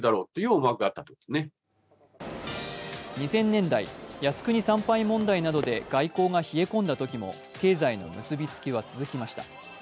２０００年代靖国参拝問題などで外交が冷え込んだときも、経済の結びつきは続きました。